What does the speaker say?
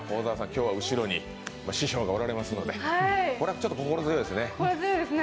きょうは後ろに師匠がおられますのでこれはちょっと心強いですねはい心強いですね